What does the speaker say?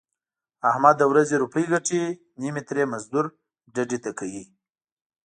احمد د ورځې روپۍ ګټي نیمې ترې مزدور ډډې ته کوي.